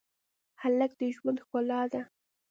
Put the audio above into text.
هلک د ژوند ښکلا ده.